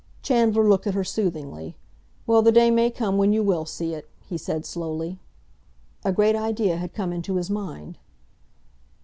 Chandler looked at her soothingly. "Well, the day may come when you will see it," he said slowly. A great idea had come into his mind.